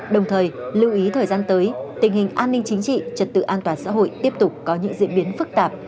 đồng thời lưu ý thời gian tới tình hình an ninh chính trị trật tự an toàn xã hội tiếp tục có những diễn biến phức tạp